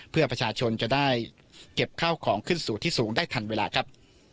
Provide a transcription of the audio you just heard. เพื่อประชาชนจะได้เก็บข้าวของขึ้นสู่ที่สูงได้ทันเวลาครับ